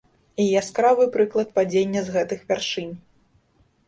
І яскравы прыклад падзення з гэтых вяршынь.